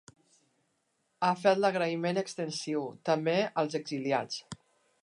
Ha fet l’agraïment extensiu, també, als exiliats.